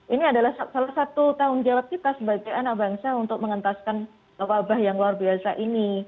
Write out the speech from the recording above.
ini adalah salah satu tanggung jawab kita sebagai anak bangsa untuk mengentaskan wabah yang luar biasa ini